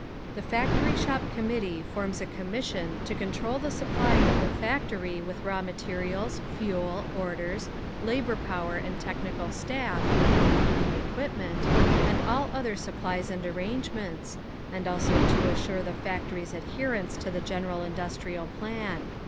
The Factory Shop Committee forms a commission to control the supplying of the factory with raw materials, fuel, orders, labour power and technical staff (including equipment), and all other supplies and arrangements, and also to assure the factory's adherence to the general industrial plan.